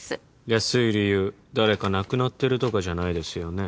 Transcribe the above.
安い理由誰か亡くなってるとかじゃないですよね？